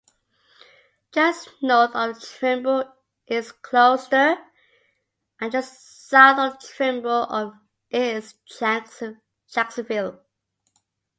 Just north of Trimble is Glouster, and just south of Trimble is Jacksonville.